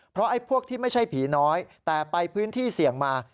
เพราะไอ้พวกที่ไม่ใช่ผีน้อยแต่ไปพื้นที่เสี่ยงมา